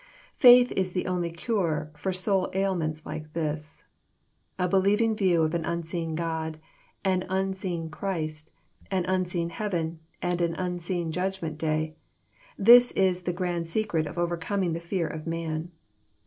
Faith is the only cure for soul ailments like this. A believing view of an unseen God, and unseen Christ an unseen heaven, and an unseen judgment day, — ^this is the grand secret of overcoming the fear of man.